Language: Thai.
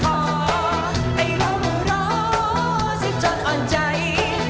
ให้เราเติมร้อนสิ้นจนอ่อนใจ